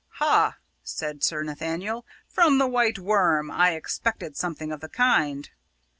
"Ha!" said Sir Nathaniel, "from the White Worm! I expected something of the kind."